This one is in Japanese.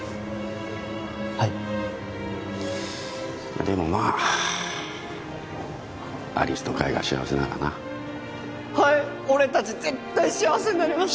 はいでもまあ有栖と海が幸せならなはいっ俺達絶対幸せになります